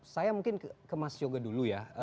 saya mungkin ke mas yoga dulu ya